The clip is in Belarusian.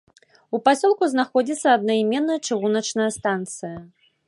У пасёлку знаходзіцца аднаіменная чыгуначная станцыя.